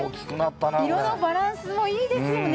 色のバランスもいいですよね。